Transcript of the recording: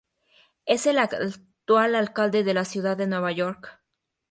Es el actual alcalde de la ciudad de Nueva York.